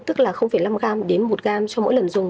tức là năm g đến một g cho mỗi lần dùng